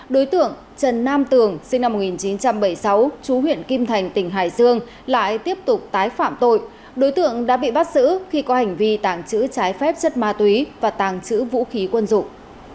đối tượng trần nam tường sinh năm một nghìn chín trăm bảy mươi sáu chú huyện kim thành tỉnh hải dương lại tiếp tục tái phạm tội đối tượng đã bị bắt giữ khi có hành vi tàng trữ trái phép chất ma túy và tàng trữ vũ khí quân dụng